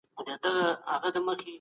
مور باید مرسته وکړي.